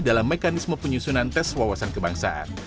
dalam mekanisme penyusunan tes wawasan kebangsaan